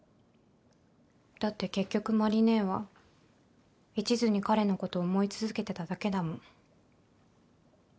だって結局麻里姉はいちずに彼のことを思い続けてただけだもん。